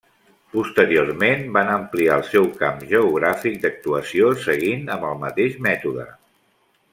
Posteriorment van ampliar el seu camp geogràfic d'actuació, seguint amb el mateix mètode.